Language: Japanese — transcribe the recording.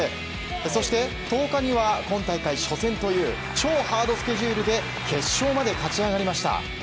そして１０日には今大会初戦という超ハードスケジュールで決勝まで勝ち上がりました。